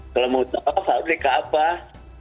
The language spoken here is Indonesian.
kalau mau ke tafah harus ke ka'bah